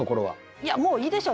いやもういいでしょう。